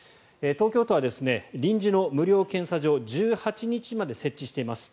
東京都は臨時の無料検査場を１８日まで設置しています。